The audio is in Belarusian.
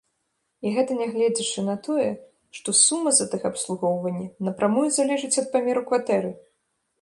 І гэта нягледзячы на тое, што сума за тэхабслугоўванне напрамую залежыць ад памеру кватэры!